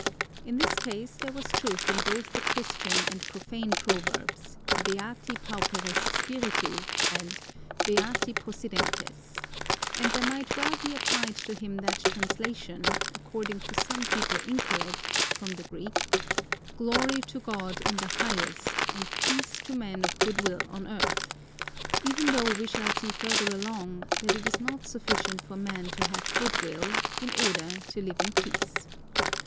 In his case there was truth in both the Christian and profane proverbs beati pauperes spiritu and beati possidentes, and there might well be applied to him that translation, according to some people incorrect, from the Greek, "Glory to God in the highest and peace to men of good will on earth!" even though we shall see further along that it is not sufficient for men to have good will in order to live in peace.